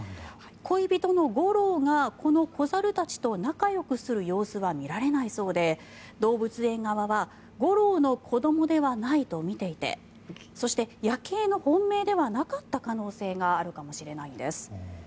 恋人のゴローが子猿たちと仲よくする様子は見られないそうで動物園側はゴローの子どもではないとみていてそして、ヤケイの本命ではなかった可能性があるかもしれないんです。